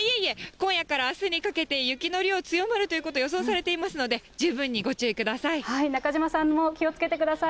今夜からあすにかけて、雪の量、強まるということ予想されていますので、十分にご注意ください。